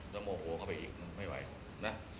แล้วโมโขเข้าไปอีกไม่ไหวนะ